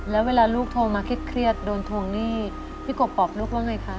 แล้วเวลาลูกโทรมาเครียดโดนทวงหนี้พี่กบบอกลูกว่าไงคะ